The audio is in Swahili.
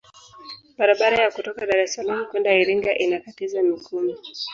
barabara ya kutoka dar es salaam kwenda iringa inakatiza mikumi